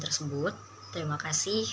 tersebut terima kasih